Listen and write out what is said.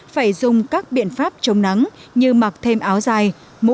phải dùng các biện pháp chống nắng như mặc thêm áo dài